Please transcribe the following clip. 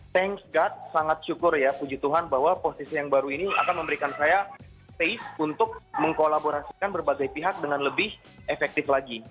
thanks got sangat syukur ya puji tuhan bahwa posisi yang baru ini akan memberikan saya pay untuk mengkolaborasikan berbagai pihak dengan lebih efektif lagi